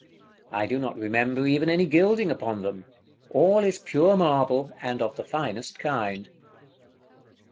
I do not remember even any gilding upon them; all is pure marble, and of the finest kind.